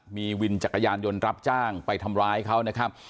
มีวินจักรยานยนต์รับจ้างไปทำร้ายเขานะครับ